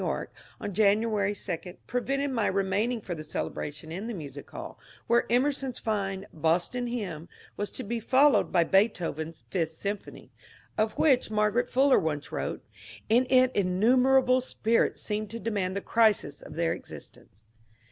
Y., on Jan uary 2, prevented my remaining for the celebration in the Music Hall, where Emerson's fine ^^ Boston Hymn " was to be followed by Beethoven's " Fifth Symphony," — of which Margaret Fuller once wrote, *^ In it innumerable spirits seem to demand the crisis of their existence."